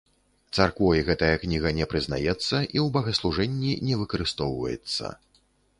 Царквой гэтая кніга не прызнаецца і ў богаслужэнні не выкарыстоўваецца.